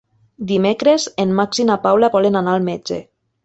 Dimecres en Max i na Paula volen anar al metge.